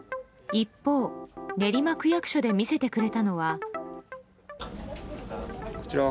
一方、練馬区役所で見せてくれたのは。